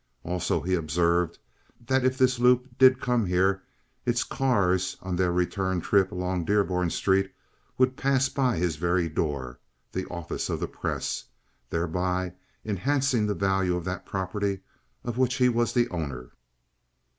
Also he observed that if this loop did come here its cars, on their return trip along Dearborn Street, would pass by his very door—the office of the Press—thereby enhancing the value of that property of which he was the owner.